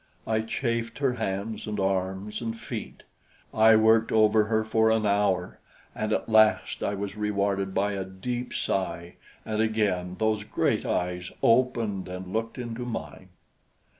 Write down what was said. I chafed her hands and arms and feet. I worked over her for an hour, and at last I was rewarded by a deep sigh, and again those great eyes opened and looked into mine.